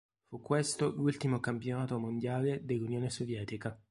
Fu questo l'ultimo Campionato mondiale dell'Unione Sovietica.